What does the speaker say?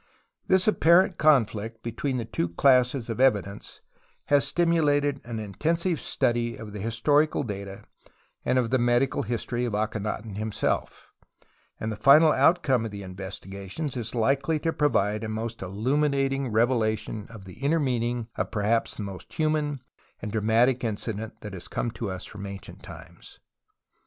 This apparent conflict between the two classes of evidence has stimulated an intensive study of tlie historical data and of the medical history of Akhenaton himself; and the final outcome of the investigations is likely to provide a most illuminating revela tion of the inner meaning of perhaps the most human and dramatic incident that has 84 TUTANKHAMEN come to us from ancient times.